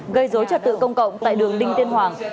gây dối trật tự công cộng tại đường đinh tiên hoàng